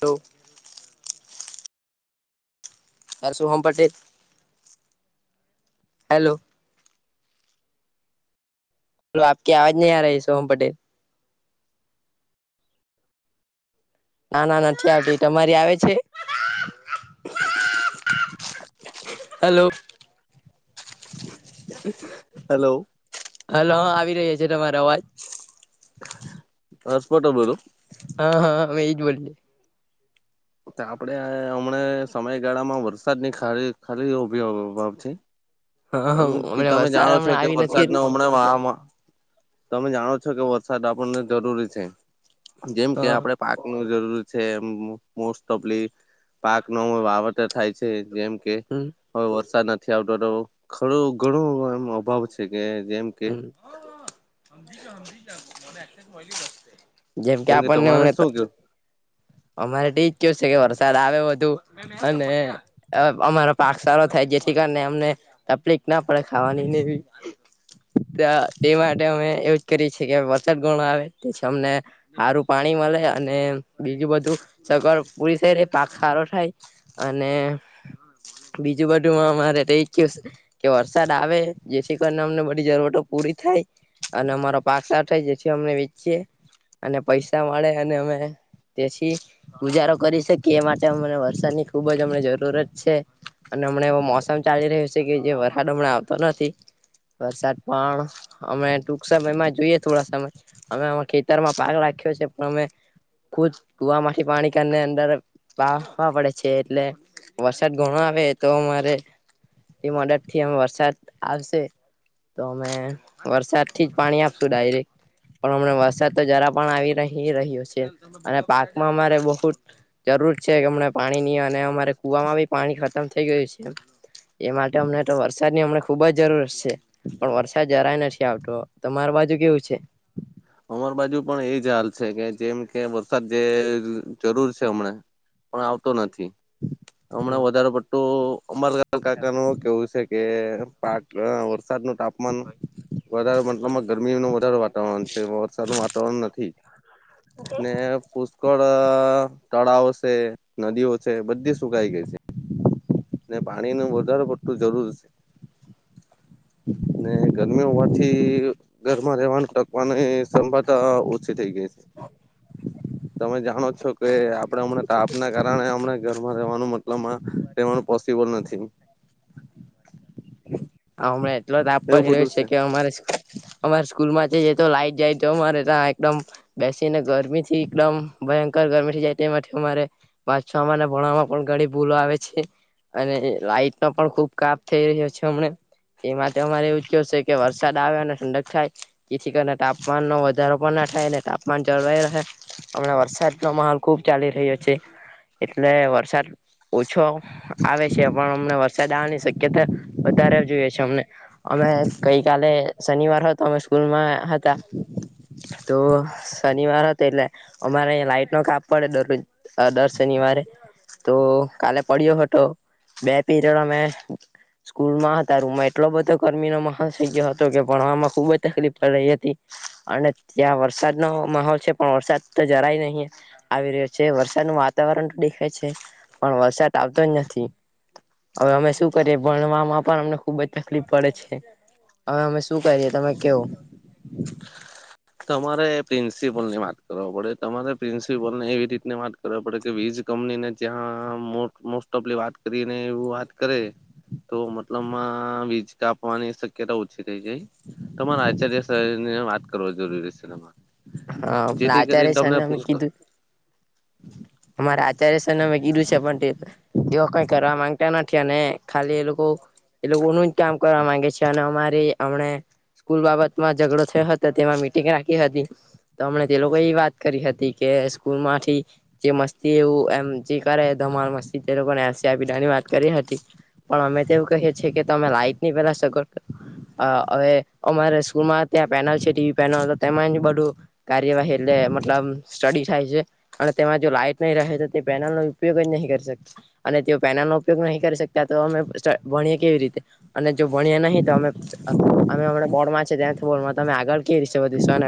Hello. તાર શુંહમ પાટે, હેલો. હલો આપકી આવાજ નહી આ રહી, સોહમ પટેલ. ના ના નથી આવતી તમારી આવે છે? હેલો. હેલો હાલ હા આવી રહ્યા છે તમારો અવાજ. હસ કોટો બોલો. હા હા અમે એ જ બોલીએ આપડે હમણા સમયગાળામાં વરસાદની ખ ખાલીભાવ છે. હા હા હમણાં તમે વરસાદ જાણો છો, હમણાં કે આવી નથી વરસાદ ના હમણાં વાવામાં તમે જાણો છો કે વરસાદ આપણને જરૂરી છે, જેમ કે હા આપડ પાકનું જરૂરી છે એમ મોસ્ટ ઓફલી પાક ન વાવેતર થાય છે જેમ કે હમ હવે વરસાદ નથી આવતો તો ખરું ઘણું એમ અભાવ છે કે જેમ કે હજીમજી મનેલી જસ જેમ કે આપણ તમારે નનેમને તો શું કેવું અમારે તો એજ કે છે કે વરસાદ આવે વધુ અને અમારો પાક સારો થાય જેથી કારણે અમને તકલીફ ના પડે ખાવાની તે માટે અમે એવુંજ કરીએ છીએ કે વરસાદ ગણું આવે અમને સારું પાણી ે અને બીજું બધું સગર પૂરી થઈડ એ પાક સારો થાય અને બીજું બધું અમારેઈ કયુ કે વરસાદ આવે જેથી કરીને અમને બધી જરૂરતો પૂરી થાય અને અમારો પાક સા થાય જેથી અમને વેચીએ અને પૈસા મળે અને અમે તે ગુજારો કરી શકીએ એ માટે અમને વરસાદની ખુબ જ અમને જરૂરત છે અને હમણાં એવો મોસમ ચાલી રહ્યો છે કે જે વરસાદ હમણા આવતો નથી વરસાદ પણ અમે ટૂંક સમયમાં જોઈએ થોડા સમય અમે ખેતરમાં પાગ રાખી ્યો છે પણમે ખુ કુવા થી પાણી કરીને અંદર વાહવા પડે છે એટલે વરસાદ ઘણો આવે તો અમારેમડા થી આમ વરસાદ આવશે તો અમે વરસાદ થી જ પાણી આપતું ડાયરેક પણ હમણા વરસાદ તો જરા પણ આવી રહી રહ્યો છે અને પાકમાં અમારે બહુ જ જરૂર છે કે અમને પાણી ની અને અમારે કુ વામાં બી પાણી ખતમ થઇ ગયું છે પશે એ માટે અમને તો વરસાદ ની અમને ખુબ જ જરૂરત છે પણ વરસાદ જરાય નથી આવતો તમાર બાજુ કેવું છે અમારા બાજુ પણ એ જ હાલ છે કે જેમ કે વરસાદ જે જરૂર છે હમણા પણ આવતો નથી હમણાં વધારે પડતું અમાર કાકા ન કેવું છે કે પાક વરસાદ નું તાપમાન વધારે મતલબમાં ગરમી ન વધારે વાતાવરણ છે વરસાદ ન વાતાવરણ નથી ને પુષ્કળ તળાવ છે નદીઓ છે બધી સુકાઈ ગઈ છે ને પાણી નું વધારો પડતું જરૂર છે ને ગરમી હોવાથી ઘરમાં રહેવાનું ટક પણ સંભદ થ ગ છે તમે જાણો છો કે આપણે હમણા તાપ ના કારણેમણા ઘરમાં રહેવાનું મતલબ રહેવાનું પોસિબલ નથી હ હમણા એટલો જ આપ એવું પડી બધું રહ્યો છે કે અમારે અમારા સ્કૂલમાં તો લાઈટ જાય તોરે ત્યા એકદમ બેસીને ગરમી થી એકદમ ભયંકર ગરમી થી જાય અમારે વ વાંચવામાંમા ભણવામાં પણ ઘણી ભૂલો આવે છે અને લાાઈટ ન પણ ખુબ કાપ થઈ રહ્યો છે હમને એ માટે અમારે એવું કવ છે કે વરસાદ આવે અને ઠંડક થાય જેથી કરીને તાપમાનનો વધારો પણ થાયને તાપમાન જળવા રહે હમણાં વરસાદ ન માહોલ ખુબ ચાલી રહ્યો છે એટલે વરસાદ ઓછો આવે છે પણ અમને વરસાદ આવવાની શક્યતા વધારે જોઈએ છે અ અમે ગઈ કલે શનિવાર હોય તો અમે સ્કૂલમાં હતા તો શનિવાર હતો એટલે અમારે અ લાઈટ નો કાપ પડે દરરોજ દર શનિવારે તો કાલે પડ્યો હતો બે પીરિયડ અમે સ્કૂલમાં રૂમમાં એટલો બધો ગર્મીનો મોહોલ થઈ ગયો હતો કે ભણવામાં ખુબ જ તકલીફ પડી રહી હતી અને ત્યાં વરસાદનોો માહોલ છે પણ વરસાદ તો જરાય નહીં આવી રહ્યો છે વરસાદ ન વાતાવરણ વરસાદ આવતો જ નથી હવે અમે શું કરીએ ભણવામાં પણ ખુબ જ તકલીફ પડે છે હવે અમે શું કરીએ તમે કેવો તમારે પ્રિન્સિપલ ની વાત કરવા પડે તમારે પ્રિન્સિપલ ને એવી રીતને વાત કરવા પડે કે વીજ કંપનીને જ્યાં મોસ્ટ ઓફ વાત કરી એવ વાત કરે તો મતલબ વીજ કાપવાની શક્યતા ઓછી થઈ જાય તમારા આચાર્ય શહેર ની વાત કરો જરૂરી સિનેમા હા પણ આચાર્ય છેને અમે કીધું અમારે આચાર્ય સરને મે કીધું છે પણ તે [unintelligible] કઈ કરવા માંગતા નથી અને ખાલી એ લોકો એ લોકોનું જ કામ કરવા માંગે છે અને અમારી અમણે સ્કૂલ બાબતમાં ઝઘડો થયો હતો તેમાં મીટિંગ રાખી હતી તો અમણે તે લોકો એ વાત કરી હતી કે સ્કૂલ માંથી જે મસ્તી એવું એમ જે કરે ધ ધમાલ મસ્દ એ લોકો એલ સી આપી દેવાની વાત કરી હતી પણ અમે તો એવું કહીએ છીએ કે તમે લાઈટ ની પેલા સગવડ અ અવે અમારે સ્કૂલમાં ત્યાં પેનલ છે ટી વી પેનલ તો તેમાં જ બધું કાર્યવાહી એટલે મતલબ સ્ટડી થાય છે અને તેમાં જો લાઈટ નઈ રહે તો તે પેનલ નો ઉપયોગ જ નહીં [inaudible] અને તેઓ પેનલ નો ઉપયોગ નહીં કરી શકતા તો અમે ભણીએ કેવી રીતે અને જો ભણીએ નહી તો અમે અમે અમણા બોર્ડમાં છે ત્યાં [inaudible] તમે આગળ કે રિતે બધીશો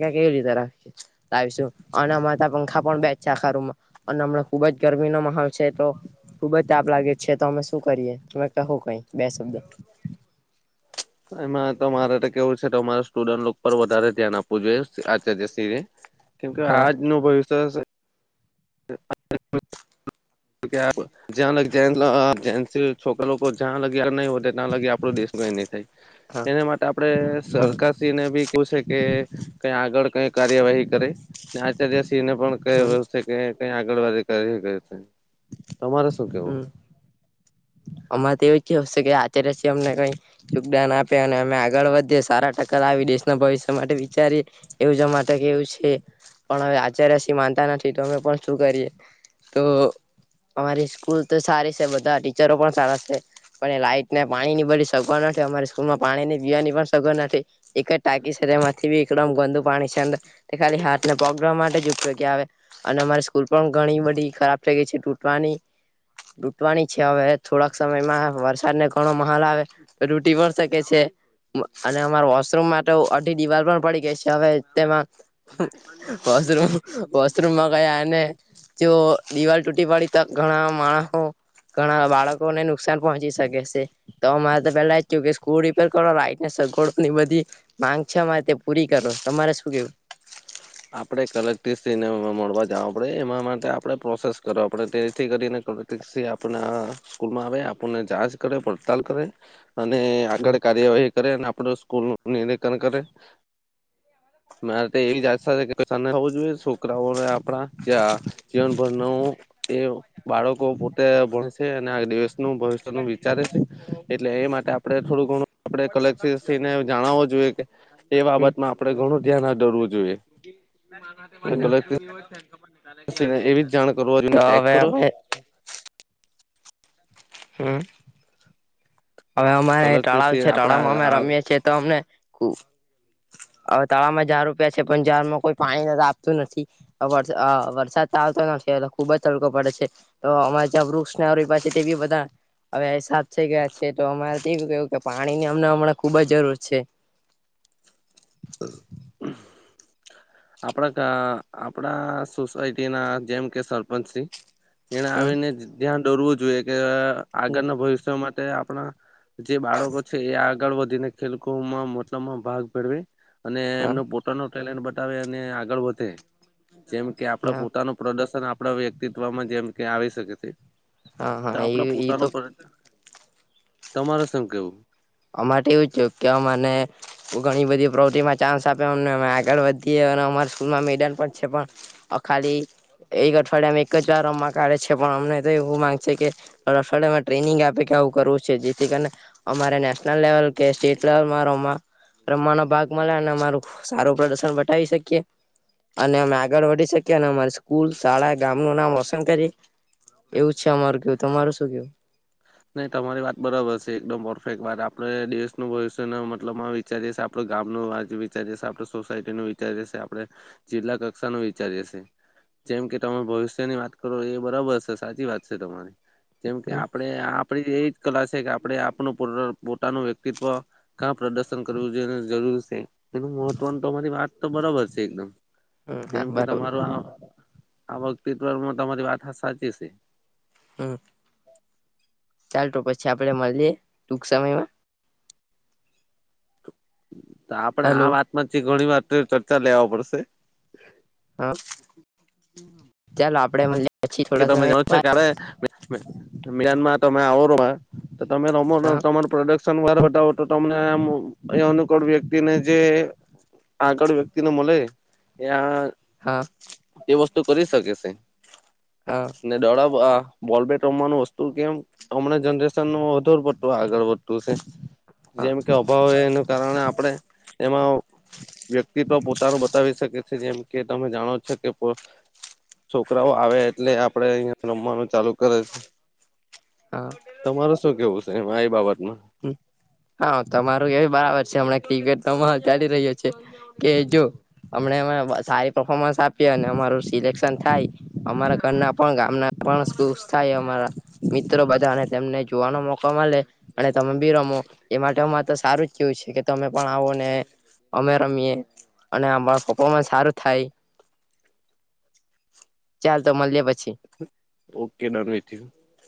[unintelligible] અને [unintelligible] પખા [unintelligible] ખુબ જ ગરમી ગરમી નો માહોલ છે તો ખુબ જ તાપ લાગે છે તો અમે શું કરીએ તમે કહો કઈ બે શબ્દ એમાં તો મારે કેવું છે અમારે સ્ટુડન્ટ લોક પર વધારે ધ્યાન આપવું જોઈએ આચાર્ય [unintelligible] કેમ કે હા આજ નુ [unintelligible] [inaudible] [inaudible] [unintelligible] તા લગી આપણું દેશ કઈ ની થાય હા તેના માટે આપણે હમ સરકાર શ્રી ને ભી છે કે કઈ આગળ કઈ કાર્યવાહી કરે ને આચાર્ય હમ [unintelligible] હમ અમાંરે તેવી [unintelligible] અમને કઈ યોગદાન આપે અને અમે આગળ વધીએ સારા ટક્કા લાવી દેશના ભવિષ્ય માટે વિચારી એવું [unintelligible] કેવું છે પણ હવે આચાય શ્રી માનતા નથી તો અમે પણ શું કરીએ તો અમારી સ્કૂલ તો સારી છે બધા ટીચરો પણ સારા છે પણ એ લાાઈટ ને પાણી ની બધી સગવડ અમારી સ્કૂલમાં પાણી ની પીવાની પણ સગન નથી એક જ ટાકી તેમાંથી ભી એકદમ ગંદુ પાણી છેં અંદ ખાલી હાથ ને પગ ધોવા માટે જ ઉપયોગી આવે અને અમારી સ્કૂલ પણ ઘણી બધી ખરાબ થેય ગેય છે ટૂટવાની [unintelligible] છે અવે થોડાક સમયમાં વરસાદ ને ઘણો માહોલ આવે તો ટુટી પણ શકે છે અને અમારા વોશરૂમ તો [unintelligible] દિવાલ પણ પડી ગઈ છે અવે તેમાં વોશરૂમ વોશરૂમમાં ગયાને જે દીવાલૂ ટુટી ટુટી પડી તો ઘણા માણહો ઘણા બાળકો ને નુકસાન પહોંચી શકે છે તો અમારે તો અમારે પેલા એજ કેવુ કે સ્કૂલ રિપેર કરો [unintelligible] [inaudible] બધી માંગ છે તે પૂરી કરો તમારે શું કેવું આપડે કલેક્ટ્રીસઈને મળવા જવા પડે એમાં માટે આપણે પ્રોસેસ કરવા પડે તેથી કરીને [inaudible] સ્કૂલમાં આવે આપુને જાચ કરે પડતાલ કરે અને આગળ કાર્યવાહી કરે અને આપડું સ્કૂલ નું [unintelligible] કરે મારે તો એવી આસા છે [inaudible] છોકરાઓ આપડા જીવન ભર નો એ બાળકો પોતે ભણસે અને આ દેશ નુ ભવિષ્ય નું વિચારે છે એટલે એ માટે આપડણે થોડું ઘણું આપણે કલેક્ને જણાવુ જોઈએ જોએ કે એ બાબત માં તો કલેક્ટરશ્રીને [inaudible] એવી જ જાણ કરવા તો જોઈને ચેક અવે કરો અમે હ હવે અમારે તળાવ કલેક્ટરશ્રી છે તાળાવમાં આપડા અમે રમીએ છીએ તો અમને હવે તળાવમાં [unintelligible] છે પન ઝડમાં કોઈ પાણી આપતું નથી અ વરસાદ આવતો નથી એટલે ખુબ જ તડકો પડે છે તો અમારે ત્યાં વૃક્ષને [unintelligible] અવે એસાબ થઈ ગયા છે તો અમારે તેવું કેવુ કે પાણીની અમને હમણાં ખુબ જ જરૂર છે. [inaudible] આપણા ગા આપણા સોસાયટી ના જેમ કે સરપંચશ્રી. એને હમ આવીને ધ્યાન દોરવું જોઈએ કે આગળના ભવિષ્ય માટે આપણા જે બાળકો છે એ આગળ વધીને ખેલકૂદમાં મોટામાં ભાગ ભેળવે. અને એમનું પોતાનું ટેલેન્ટ બતાવે અને આગળ વધે જેમ કે આપડા હા પોતાનું પ્રોડ આપણા વ્યક્તિત્વમાં જેમ કે આવી શકે છે. હા તો હા આપડે એ પોતાનો તો પ્રયત્ન તમારે શું કેવું. અમાર એવું છે કે અમને ઘણી બધી પ્રવૃતિમાં ચાન્સ આપે અમે આગળ વધીએ સર અમાર સ્કૂલમાં મેડલ પણ છે પણ ખાલી એક અઠવાડિયા માં એક જ વાર રમ માં કાઢે છે પણ અમને તો એવું માંગે છે કે અઠવાડિયામાં ટ્રેનિંગ આપે આવું કરવું છે જેથી કરીને અમારે નેશનલ લેવલ કે સ્ટેટ લેવલ મા રમવા રમવાનો ભાગ મળે અને અમારું સારું પ્રદર્શન બતાાવી શકીએ અને અમે આગળ વધી શકીએ અને અમારી સ્કૂલ શાળા ગામ નુ નામ રોશન કરી એવું છે અમારું કેવું તમારું શું કેવું. નહી તમારી વાત બરાબર છે એકદમ પરફેક્ટ વાત આપડે દેશનું ભવિષ્ય ને મતલબ વિચારી આપડુ ગામનું આજ વિચારીએ આપણે સોસાયટી નું વિચારીએ છે આપણે જિલ્લા કક્ષાનું વિચારીએીએ છે. જેમ કે તમે ભવિષ્યની વાત કરો એ બરાબર છે સાચી વાત છે તમારી જેમ કે આપણે આપડી એ કલાસે આપણે આપ પોતાનું વ્યક્તિત્વ કા પ્રદર્શન કરવું જોઈએ જરૂર છે. તો પણ તમારી વાત તો બરાબર છે એકદમ. હમ હા જેમ કે બરોબર તમારું આ વક્તીવમાં તમારી વાત સાચી છે. હમ્મ. ચાલ તો પછી આપડે મળીએ ટૂક સમયમાં. તો આપણેે હલો આમ વાતમાંથી ઘણી વાર ચર્ચા લેવા પડશે. હા [inaudible] ચાલો આપડે મળીએ. પછી કે થોડા તમે સમય જાણો છો બાદ ક્યારે મ્યાનમાર તમે આવો રોમા તો તમે હા તમારો પ્રોડક્ટસ નવાર બતાવો તો તમને આમ અ અનુકૂળ વ્યક્તિને જે આગળ વ્યક્તિને મળે એઆ હા. વસ્તુ કરી શકે છે હા ને દોળવવા બોલબેટ રમવાનું વસ્તુ કેમ અમને જનરેશન વધુ પડતું આગળ વધતું છે. હા જેમ કે અભાવ હો એનું કારણે આપડણે એમાં વ્યક્તિત્વ પોતાનું બતાવી શકે છે જેમ કે તમે જાણો છો કે છોકરાઓ આવે એટલે આપડે અહિયાં રમવાનું ચાલુ કરે છે. હા તમારે શું કેવું છે એમ આ બાબતમાં [inaudible] હા તમારું એવી બરાબર છે હમણાં ક્રિકેટ તો ચાલી રહ્યો છે કે જો અમને સારી પરફોમન્સ આપીએ અને અમારું સિલેક્શન થાય અમારા ઘરના પણ ગામના પણ ખુશ થાય અમારા મિત્રો બધા અને તેમને જોવાનો મોકો મળે અને તમે બી રમો એ માટે હરે તો સારું જ કેવું છે કે તમે પણ આવો ને અમે રમીએ અને અ પરફોર્મન્સ સારું થાય. ચાલ તો મળીએ પછી. Okay done [unintelligible]